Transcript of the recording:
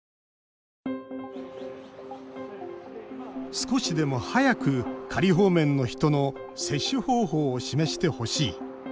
少しでも早く仮放免の人の接種方法を示してほしい。